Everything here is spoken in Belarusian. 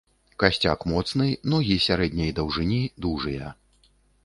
Касцяк моцны, ногі сярэдняй даўжыні, дужыя.